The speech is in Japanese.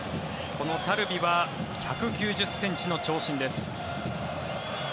このタルビは１９０ｃｍの長身です。